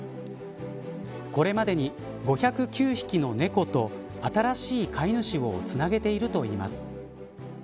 これまでに５０９匹の猫と新しい飼い主をつなげているといいます。